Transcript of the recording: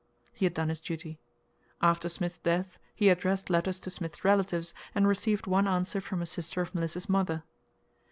He had done his duty. After Smith's death he addressed letters to Smith's relatives, and received one answer from a sister of Melissa's mother.